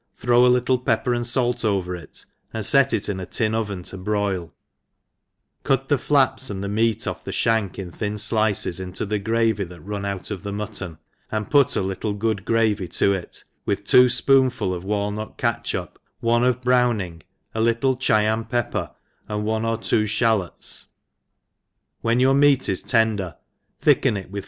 throw a little pepper and fait over it, and fet it'ih'a tin oven to bfoil, cut the fl^ps and the meat off the fhankin thin flices ihto the gravy that runs out of the mutton, and putalittle^ood gravy to it, vy^ith tivo fpoonfuls oi walnut catchup, one df browning, a little Chyan pepper, and one or two (halots i when your meat is tender, thicker it with.